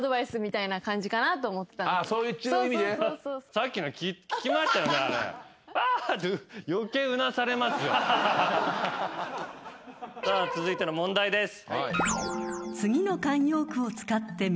さあ続いての問題です。